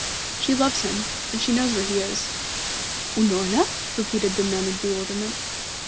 She loves him, and she knows where he is." "Unorna?" repeated the nun in bewilderment.